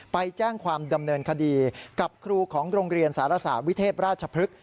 ไปแจ้งความดำเนินคดีกับครูของโรงเรียนสารศาสตร์วิเทพราชพฤกษ